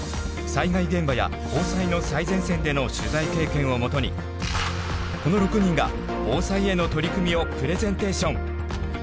災害現場や防災の最前線での取材経験をもとにこの６人が防災への取り組みをプレゼンテーション！